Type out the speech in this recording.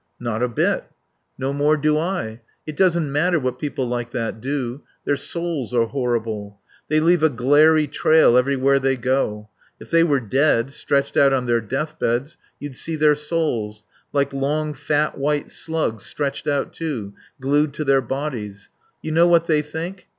"Not a bit." "No more do I. It doesn't matter what people like that do. Their souls are horrible. They leave a glairy trail everywhere they go. If they were dead stretched out on their death beds you'd see their souls, like long, fat white slugs stretched out too, glued to their bodies.... You know what they think?